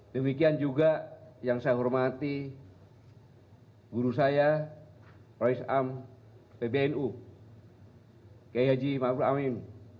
demikian juga yang saya hormati guru saya prois am pbnu kaya haji ma'aful amin